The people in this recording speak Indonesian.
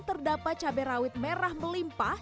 terdapat cabai rawit merah melimpah